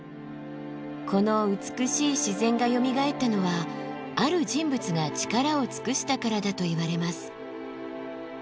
この美しい自然がよみがえったのはある人物が力を尽くしたからだといわれます。